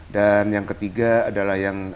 dan yang ketiga adalah yang